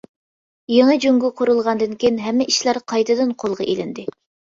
يېڭى جۇڭگو قۇرۇلغاندىن كېيىن، ھەممە ئىشلار قايتىدىن قولغا ئېلىندى.